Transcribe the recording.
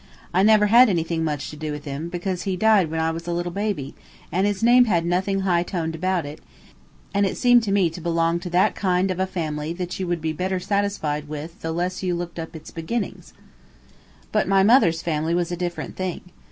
I never had anything much to do with him, because he died when I was a little baby, and his name had nothing high toned about it, and it seemed to me to belong to that kind of a family that you would be better satisfied with the less you looked up its beginnings; but my mother's family was a different thing.